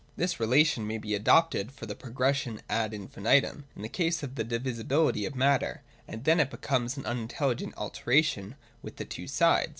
This relation may be adopted for the progression ad infinitum, in the case of the divisibility of matter : and then it becomes an unintelligent alternation with the two sides.